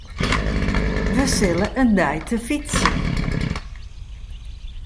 Wy sille in dei te fytsen.